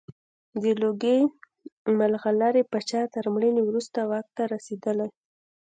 د لوګي مرغلرې پاچا تر مړینې وروسته واک ته رسېدلی.